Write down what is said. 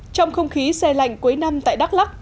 trong không khí xe lạnh cuối năm tại đắk lắc